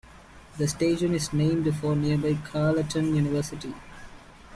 The station is named for nearby Carleton University.